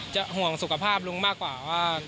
ห่วงสุขภาพลุงมากกว่าว่า